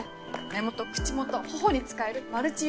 目元口元頬に使えるマルチユース。